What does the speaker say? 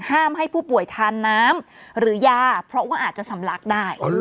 ให้ผู้ป่วยทานน้ำหรือยาเพราะว่าอาจจะสำลักได้